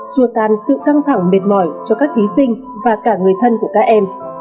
xua tan sự căng thẳng mệt mỏi cho các thí sinh và cả người thân của các em